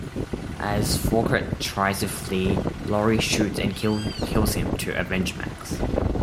As Fouchet tries to flee, Lowrey shoots and kills him to avenge Max.